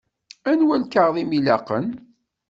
Anwa lkaɣeḍ i m-ilaqen?